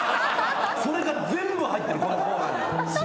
それが全部入ってるこのコーナーに。